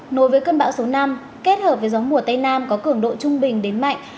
nối với cơn bão số năm kết hợp với gió mùa tây nam có cường độ trung bình đến mạnh